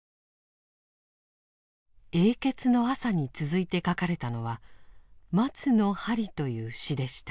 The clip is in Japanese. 「永訣の朝」に続いて書かれたのは「松の針」という詩でした。